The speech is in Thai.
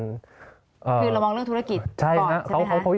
คือเรามองเรื่องธุรกิจก่อนใช่ไหมครับ